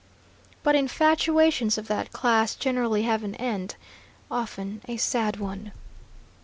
But infatuations of that class generally have an end, often a sad one.